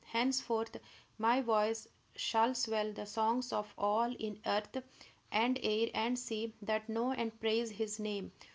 Henceforth my voice shall swell the songs of all in earth and air and sea that know and praise his name!"